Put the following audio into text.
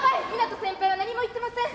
湊斗先輩は何も言ってません。